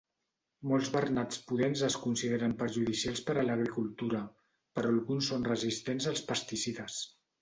Molts bernats pudents es consideren perjudicials per a l'agricultura, però alguns són resistents als pesticides.